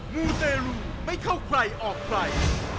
มูเตรลูไม่เข้าใครออกใคร